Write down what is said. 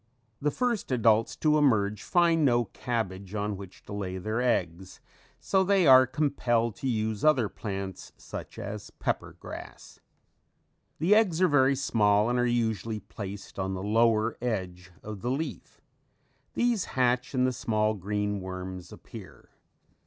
The first adults to emerge find no cabbage on which to lay their eggs so they are compelled to use other plants such as pepper grass. [Illustration: Egg of cabbage miller much enlarged.] The eggs are very small and are usually placed on the lower edge of the leaf. These hatch and the small green worms appear.